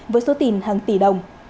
với số tình hàng tỷ đồng